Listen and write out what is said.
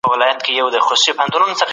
څنګه کولای سو د تولید کچه نوره هم لوړه کړو؟